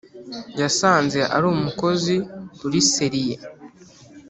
yasanze ari umukozi uri seriye